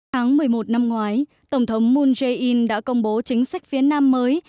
tháng một mươi một năm ngoái tổng thống moon jae in đã công bố chính sách phía nam mới